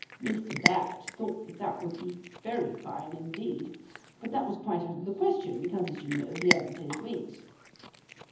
"Mr. Bat thought that that would be very fine indeed, but that was quite out of the question because, as you know, he hadn't any wings.